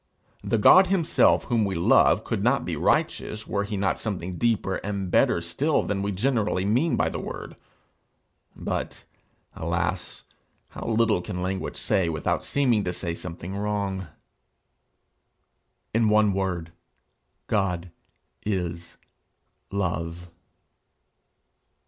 The God himself whom we love could not be righteous were he not something deeper and better still than we generally mean by the word but, alas, how little can language say without seeming to say something wrong! In one word, God is Love.